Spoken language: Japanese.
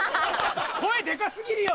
声でか過ぎるよ？